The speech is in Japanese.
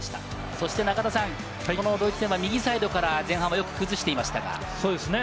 そしてドイツ戦は右サイドから前半よく崩していましたが。